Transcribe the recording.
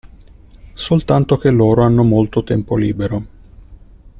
Soltanto che loro hanno molto tempo libero.